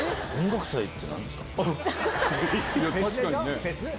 確かにね。